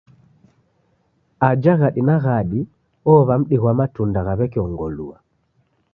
Aja ghadi na ghadi owa mdi ghwa matunda gha weke ongolua.